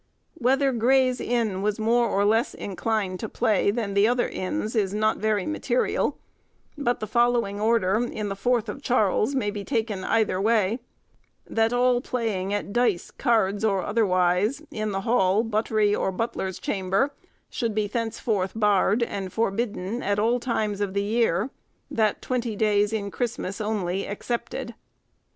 Whether Gray's Inn was more or less inclined to play than the other Inns is not very material; but the following order, in the fourth of Charles, may be taken either way, "that all playing at dice, cards, or otherwise, in the hall, buttry, or butler's chamber, should be thenceforth barred, and forbidden at all times of the year, the twenty days in Christmas only excepted."